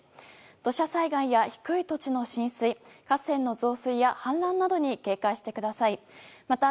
土砂災害や低い土地の浸水河川の増水や氾濫などに警戒してください。